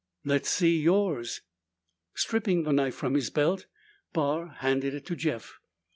"Let's see yours." Stripping the knife from his belt, Barr handed it to Jeff.